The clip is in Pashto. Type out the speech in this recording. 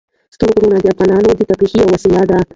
ستوني غرونه د افغانانو د تفریح یوه وسیله ده.